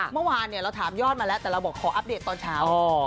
เมื่อวานเราถามยอดมาแล้วแต่เราบอกขออัปเดตตอนเช้า